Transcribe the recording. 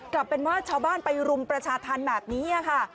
กลับเป็นว่าชาวบ้านไปรุมประชาธรรมแบบนี้ค่ะ